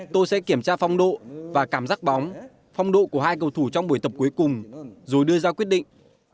tôi sẽ kiểm tra phong độ và cảm giác bóng phong độ của hai cầu thủ trong buổi tập cuối cùng rồi đưa ra quyết định